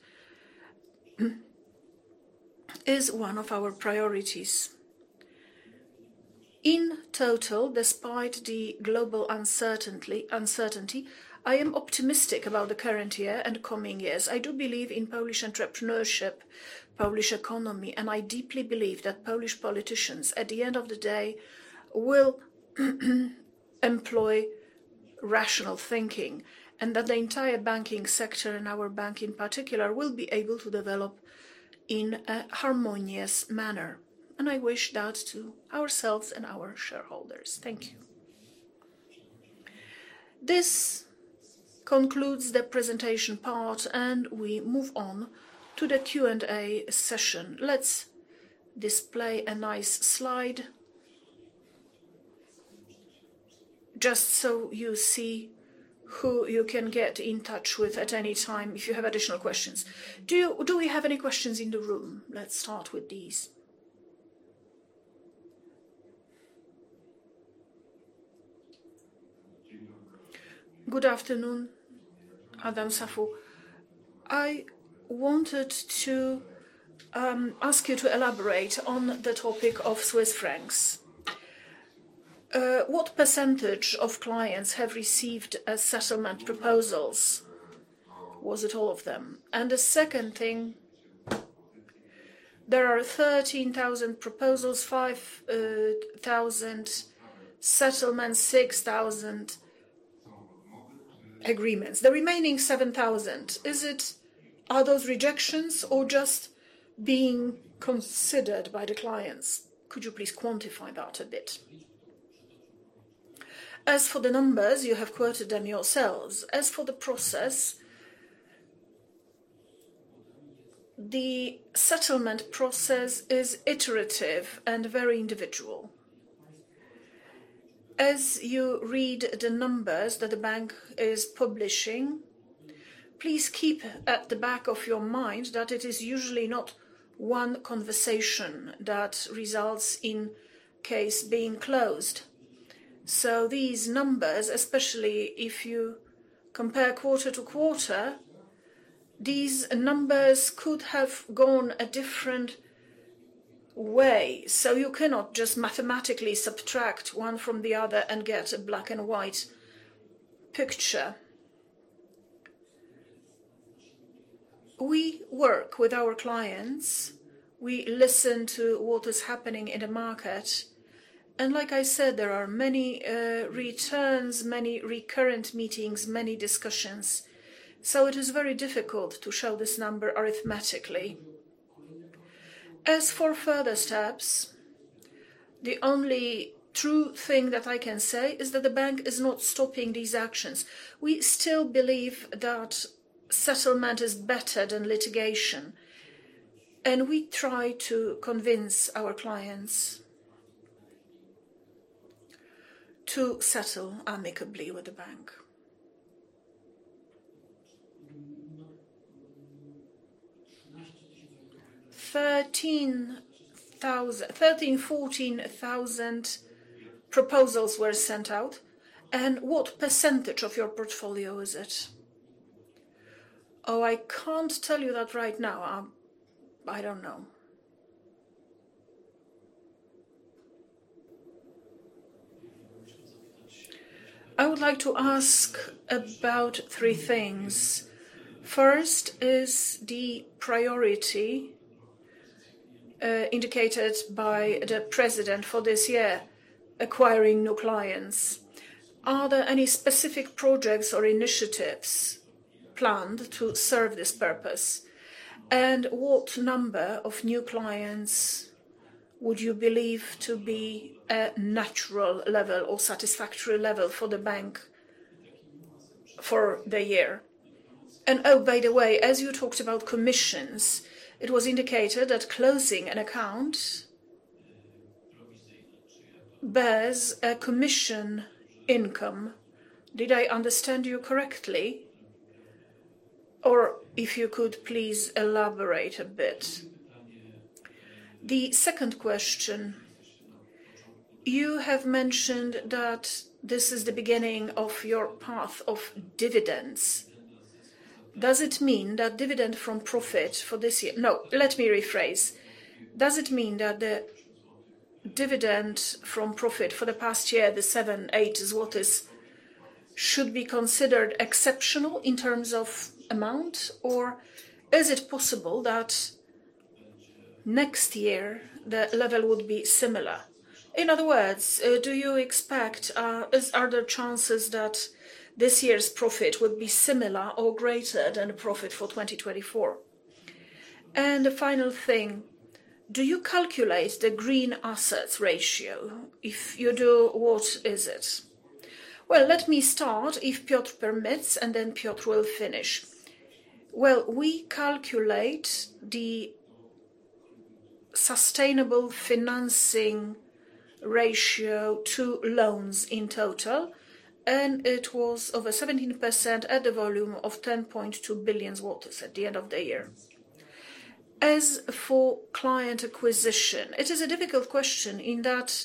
is one of our priorities. In total, despite the global uncertainty, I am optimistic about the current year and coming years. I do believe in Polish entrepreneurship, Polish economy, and I deeply believe that Polish politicians, at the end of the day, will employ rational thinking and that the entire banking sector and our bank in particular will be able to develop in a harmonious manner. I wish that to ourselves and our shareholders. Thank you. This concludes the presentation part, and we move on to the Q&A session. Let's display a nice slide just so you see who you can get in touch with at any time if you have additional questions. Do we have any questions in the room? Let's start with these. Good afternoon, Adam Sofuł. I wanted to ask you to elaborate on the topic of Swiss francs. What percentage of clients have received settlement proposals? Was it all of them? The second thing, there are 13,000 proposals, 5,000 settlements, 6,000 agreements. The remaining 7,000, are those rejections or just being considered by the clients? Could you please quantify that a bit? As for the numbers, you have quoted them yourselves. As for the process, the settlement process is iterative and very individual. As you read the numbers that the bank is publishing, please keep at the back of your mind that it is usually not one conversation that results in case being closed. So these numbers, especially if you compare quarter to quarter, these numbers could have gone a different way. So you cannot just mathematically subtract one from the other and get a black and white picture. We work with our clients. We listen to what is happening in the market. Like I said, there are many returns, many recurrent meetings, many discussions. So it is very difficult to show this number arithmetically. As for further steps, the only true thing that I can say is that the bank is not stopping these actions. We still believe that settlement is better than litigation, and we try to convince our clients to settle amicably with the bank. 13,000, 14,000 proposals were sent out. What percentage of your portfolio is it? I can't tell you that right now. I don't know. I would like to ask about three things. First is the priority indicated by the president for this year, acquiring new clients. Are there any specific projects or initiatives planned to serve this purpose? What number of new clients would you believe to be a natural level or satisfactory level for the bank for the year? By the way, as you talked about commissions, it was indicated that closing an account bears a commission income. Did I understand you correctly? Could you please elaborate a bit? The second question, you have mentioned that this is the beginning of your path of dividends. Does it mean that dividend from profit for this year? No, let me rephrase. Does it mean that the dividend from profit for the past year, the seven, eight, what is, should be considered exceptional in terms of amount, or is it possible that next year the level would be similar? In other words, do you expect, are there chances that this year's profit would be similar or greater than the profit for 2024? The final thing, do you calculate the green assets ratio? If you do, what is it? Let me start, if Piotr permits, and then Piotr will finish. We calculate the sustainable financing ratio to loans in total, and it was over 17% at the volume of $10.2 billion at the end of the year. As for client acquisition, it is a difficult question in that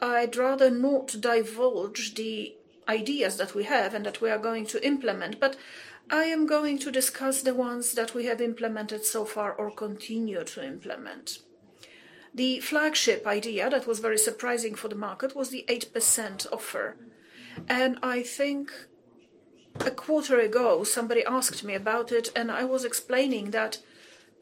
I'd rather not divulge the ideas that we have and that we are going to implement, but I am going to discuss the ones that we have implemented so far or continue to implement. The flagship idea that was very surprising for the market was the 8% offer. I think a quarter ago, somebody asked me about it, and I was explaining that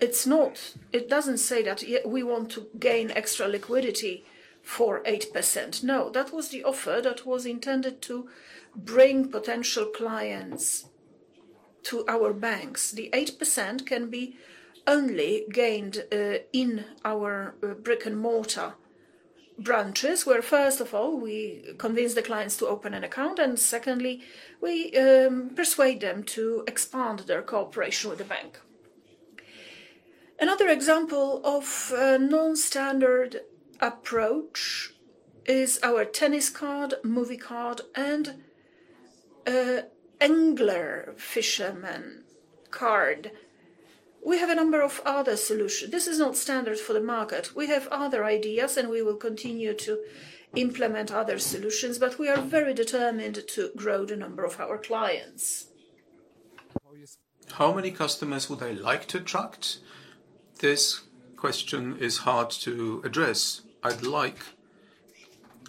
it doesn't say that we want to gain extra liquidity for 8%. No, that was the offer that was intended to bring potential clients to our banks. The 8% can be only gained in our brick-and-mortar branches, where first of all, we convince the clients to open an account, and secondly, we persuade them to expand their cooperation with the bank. Another example of a non-standard approach is our tennis card, movie card, and angler fisherman card. We have a number of other solutions. This is not standard for the market. We have other ideas, and we will continue to implement other solutions, but we are very determined to grow the number of our clients. How many customers would I like to attract? This question is hard to address. I'd like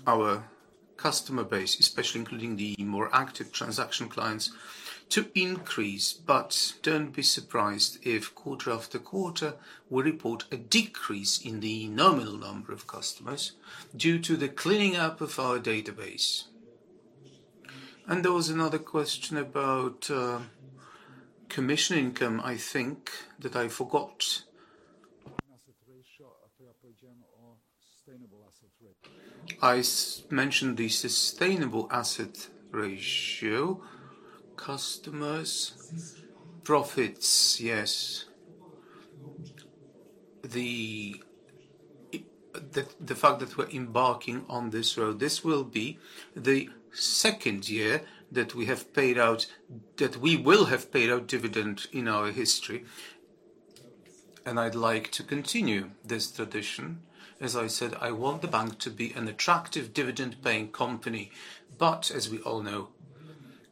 our customer base, especially including the more active transaction clients, to increase, but don't be surprised if quarter after quarter, we report a decrease in the nominal number of customers due to the cleaning up of our database. There was another question about commission income, I think, that I forgot. I mentioned the sustainable asset ratio, customers, profits, yes. The fact that we're embarking on this road, this will be the second year that we have paid out, that we will have paid out dividend in our history. I'd like to continue this tradition. As I said, I want the bank to be an attractive dividend-paying company. But as we all know,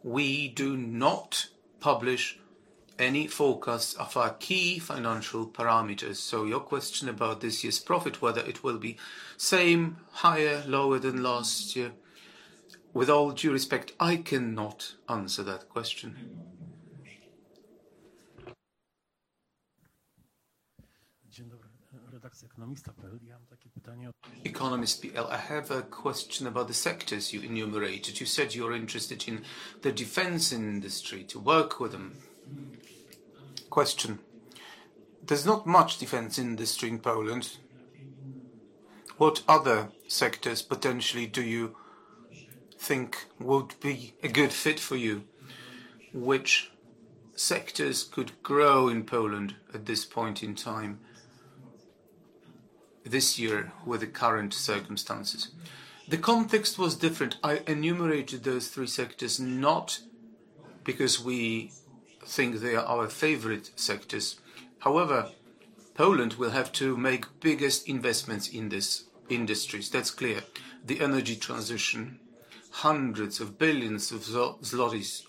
we do not publish any forecasts of our key financial parameters. So your question about this year's profit, whether it will be same, higher, lower than last year, with all due respect, I cannot answer that question. Dzień dobry, Ekonomista.pl. Ja mam takie pytanie. Economist PL, I have a question about the sectors you enumerated. You said you're interested in the defense industry to work with them. Question. There's not much defense industry in Poland. What other sectors potentially do you think would be a good fit for you? Which sectors could grow in Poland at this point in time this year with the current circumstances? The context was different. I enumerated those three sectors not because we think they are our favorite sectors. However, Poland will have to make biggest investments in these industries. That's clear. The energy transition, hundreds of billions of zlotys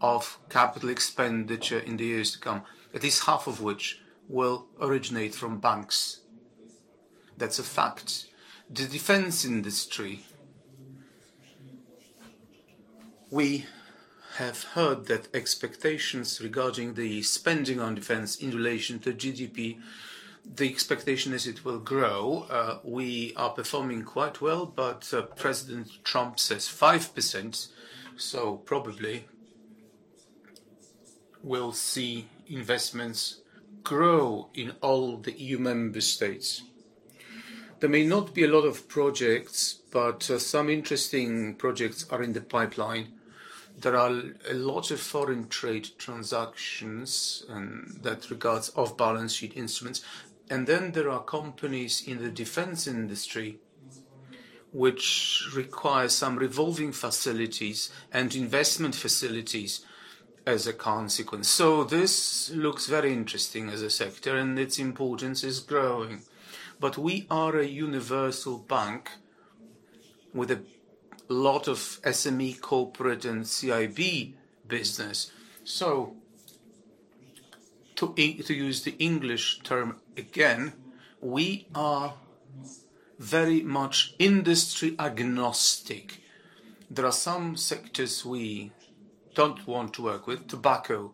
of capital expenditure in the years to come, at least half of which will originate from banks. That's a fact. The defense industry, we have heard that expectations regarding the spending on defense in relation to GDP, the expectation is it will grow. We are performing quite well, but President Trump says 5%, so probably we'll see investments grow in all the EU member states. There may not be a lot of projects, but some interesting projects are in the pipeline. There are a lot of foreign trade transactions in that regard of balance sheet instruments. And then there are companies in the defense industry which require some revolving facilities and investment facilities as a consequence. So this looks very interesting as a sector, and its importance is growing. But we are a universal bank with a lot of SME, corporate, and CIB business. So to use the English term again, we are very much industry agnostic. There are some sectors we don't want to work with, tobacco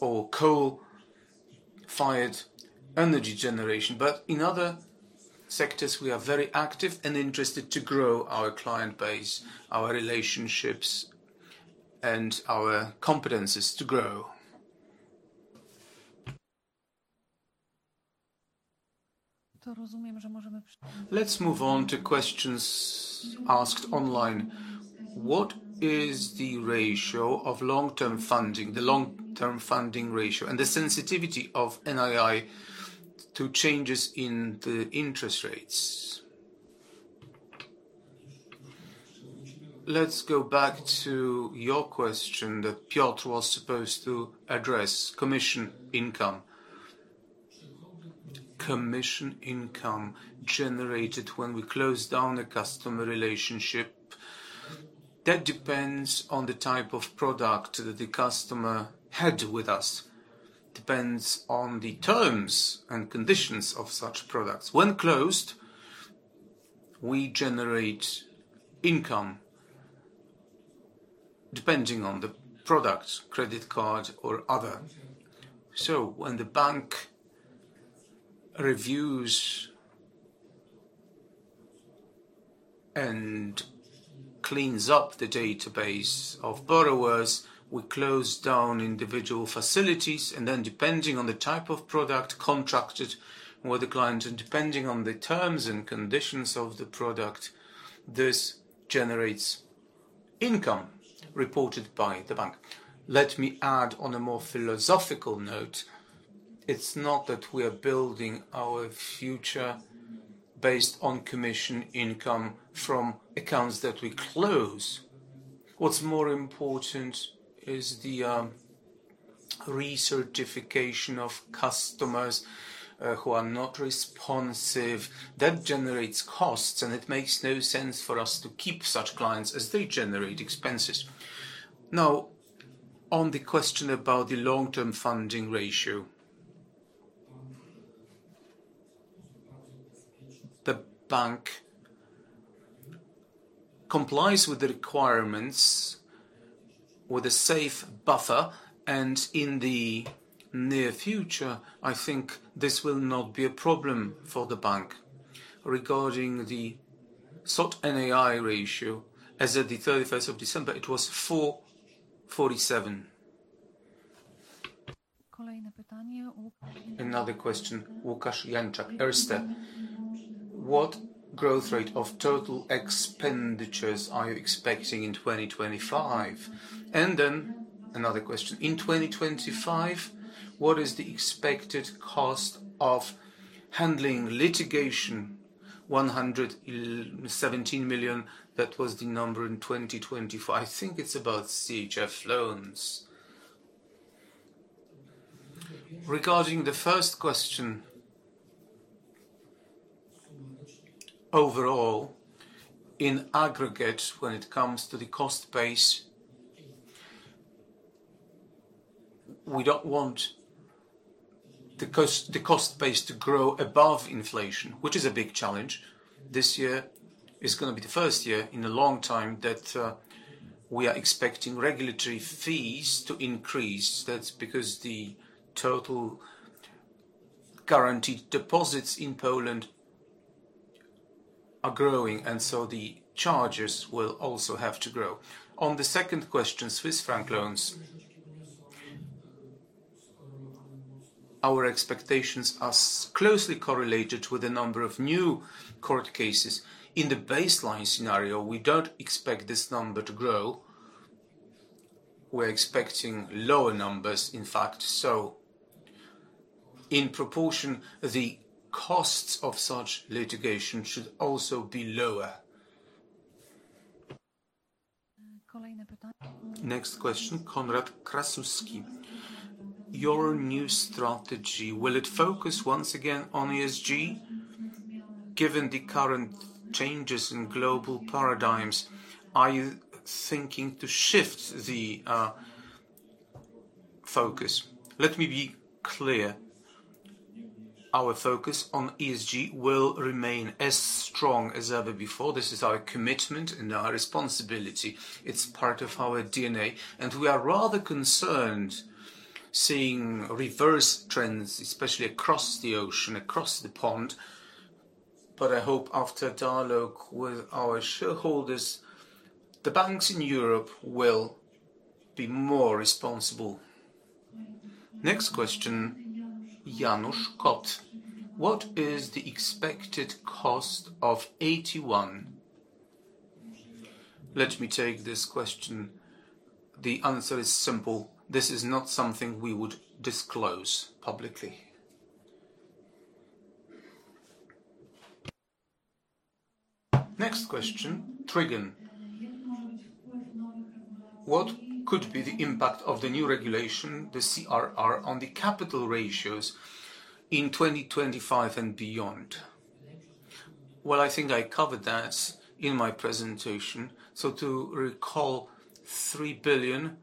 or coal-fired energy generation, but in other sectors, we are very active and interested to grow our client base, our relationships, and our competencies to grow. Let's move on to questions asked online. What is the ratio of long-term funding, the long-term funding ratio, and the sensitivity of NII to changes in the interest rates? Let's go back to your question that Piotr was supposed to address, commission income. Commission income generated when we close down a customer relationship, that depends on the type of product that the customer had with us, depends on the terms and conditions of such products. When closed, we generate income depending on the product, credit card, or other. When the bank reviews and cleans up the database of borrowers, we close down individual facilities, and then depending on the type of product contracted with the client and depending on the terms and conditions of the product, this generates income reported by the bank. Let me add on a more philosophical note. It's not that we are building our future based on commission income from accounts that we close. What's more important is the recertification of customers who are not responsive. That generates costs, and it makes no sense for us to keep such clients as they generate expenses. Now, on the question about the long-term funding ratio, the bank complies with the requirements with a safe buffer, and in the near future, I think this will not be a problem for the bank regarding the SOT/NAI ratio. As of December 31st, it was 447. Another question, Łukasz Janczak, Erste. What growth rate of total expenditures are you expecting in 2025? Another question. In 2025, what is the expected cost of handling litigation? 117 million, that was the number in 2025. I think it's about CHF loans. Regarding the first question, overall, in aggregate, when it comes to the cost base, we don't want the cost base to grow above inflation, which is a big challenge. This year is going to be the first year in a long time that we are expecting regulatory fees to increase. That's because the total guaranteed deposits in Poland are growing, and so the charges will also have to grow. On the second question, Swiss franc loans, our expectations are closely correlated with the number of new court cases. In the baseline scenario, we don't expect this number to grow. We're expecting lower numbers, in fact. So in proportion, the costs of such litigation should also be lower. Next question, Konrad Krasuski. Your new strategy, will it focus once again on ESG? Given the current changes in global paradigms, are you thinking to shift the focus? Let me be clear. Our focus on ESG will remain as strong as ever before. This is our commitment and our responsibility. It's part of our DNA. We are rather concerned seeing reverse trends, especially across the ocean, across the pond. But I hope after dialogue with our shareholders, the banks in Europe will be more responsible. Next question, Janusz Kot. What is the expected cost of AT1? Let me take this question. The answer is simple. This is not something we would disclose publicly. Next question, Trigon. What could be the impact of the new regulation, the CRR, on the capital ratios in 2025 and beyond? I think I covered that in my presentation. So to recall $3 billion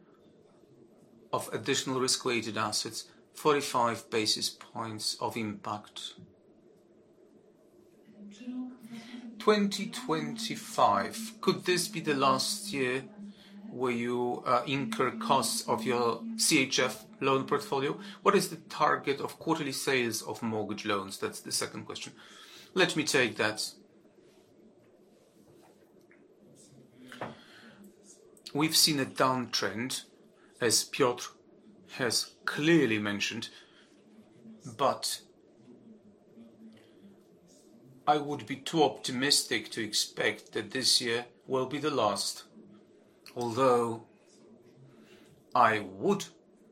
of additional risk-weighted assets, 45 basis points of impact. 2025, could this be the last year where you incur costs of your CHF loan portfolio? What is the target of quarterly sales of mortgage loans? That's the second question. Let me take that. We've seen a downtrend, as Piotr has clearly mentioned, but I would be too optimistic to expect that this year will be the last. Although I would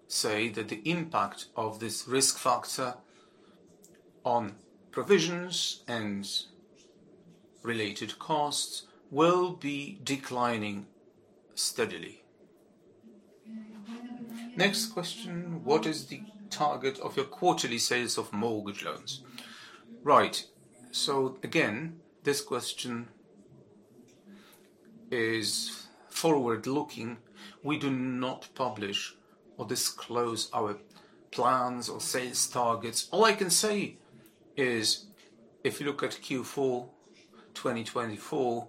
say that the impact of this risk factor on provisions and related costs will be declining steadily. Next question, what is the target of your quarterly sales of mortgage loans? Right. This question is forward-looking. We do not publish or disclose our plans or sales targets. All I can say is, if you look at Q4 2024,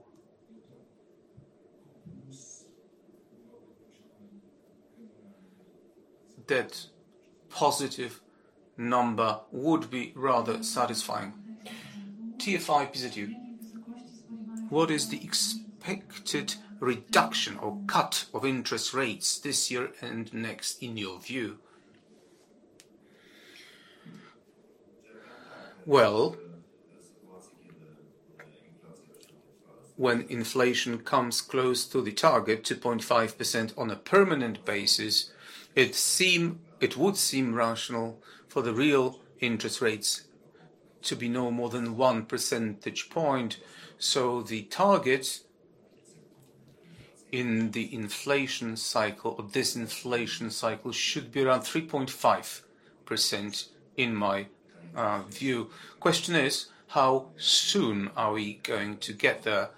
that positive number would be rather satisfying. TFI PZU, what is the expected reduction or cut of interest rates this year and next, in your view? When inflation comes close to the target, 2.5% on a permanent basis, it would seem rational for the real interest rates to be no more than one percentage point. The target in the inflation cycle of this inflation cycle should be around 3.5% in my view. Question is, how soon are we going to get there?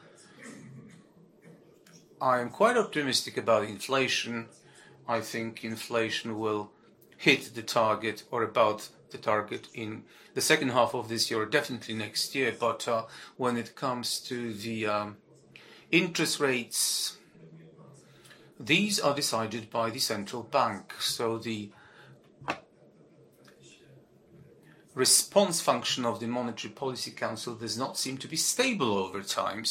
I am quite optimistic about inflation. I think inflation will hit the target or about the target in the second half of this year, definitely next year. But when it comes to the interest rates, these are decided by the central bank. The response function of the Monetary Policy Council does not seem to be stable over time.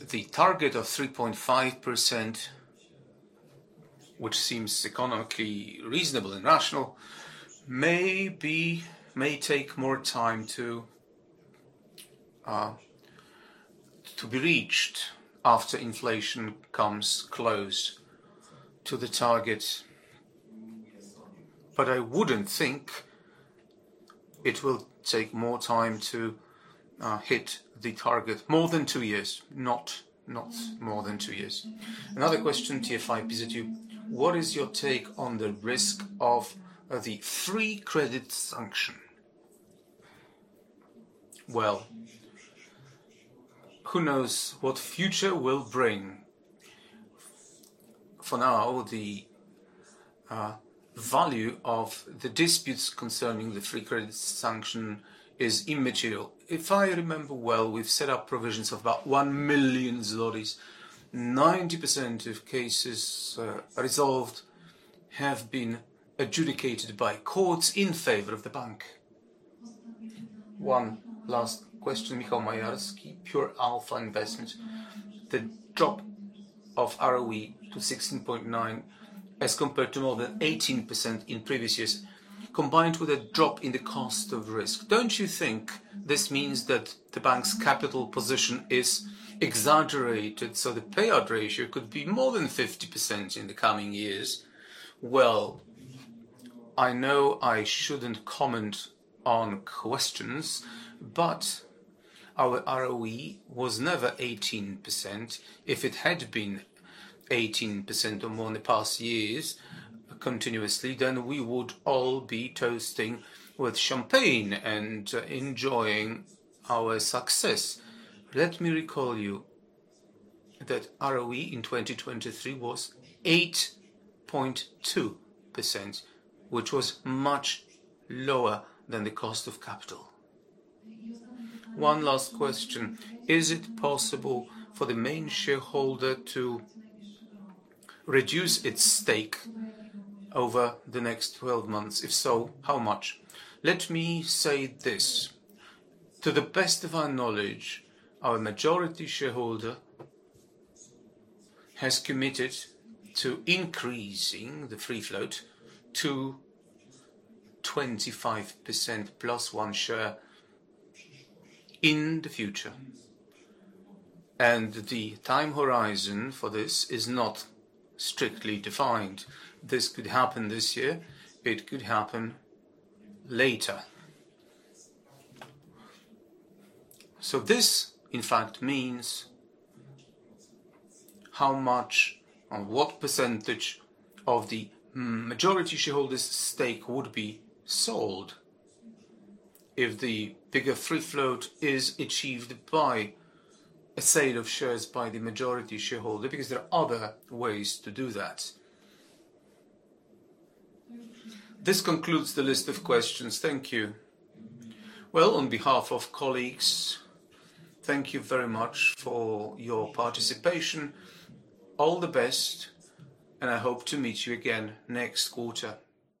The target of 3.5%, which seems economically reasonable and rational, may take more time to be reached after inflation comes close to the target. But I wouldn't think it will take more time to hit the target. More than two years, not more than two years. Another question, TFI PZU, what is your take on the risk of the free credit sanction? Well, who knows what future will bring? For now, the value of the disputes concerning the free credit sanction is immaterial. If I remember well, we've set up provisions of about 1 million zlotys. 90% of cases resolved have been adjudicated by courts in favor of the bank. One last question, Michał Majerski, Pure Alpha Investments. The drop of ROE to 16.9% as compared to more than 18% in previous years, combined with a drop in the cost of risk. Don't you think this means that the bank's capital position is exaggerated so the payout ratio could be more than 50% in the coming years? I know I shouldn't comment on questions, but our ROE was never 18%. If it had been 18% or more in the past years continuously, then we would all be toasting with champagne and enjoying our success. Let me recall you that ROE in 2023 was 8.2%, which was much lower than the cost of capital. One last question. Is it possible for the main shareholder to reduce its stake over the next 12 months? If so, how much? Let me say this. To the best of our knowledge, our majority shareholder has committed to increasing the free float to 25% plus one share in the future. The time horizon for this is not strictly defined. This could happen this year. It could happen later. So this, in fact, means how much or what percentage of the majority shareholder's stake would be sold if the bigger free float is achieved by a sale of shares by the majority shareholder, because there are other ways to do that. This concludes the list of questions. Thank you. On behalf of colleagues, thank you very much for your participation. All the best, and I hope to meet you again next quarter.